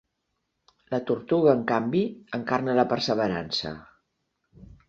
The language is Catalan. La tortuga, en canvi, encarna la perseverança.